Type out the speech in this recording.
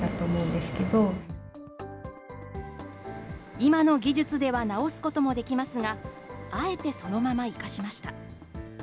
今の技術では直すこともできますが、あえてそのまま生かしました。